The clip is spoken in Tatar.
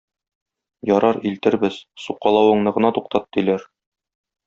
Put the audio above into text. Ярар, илтербез, сукалавыңны гына туктат, - диләр.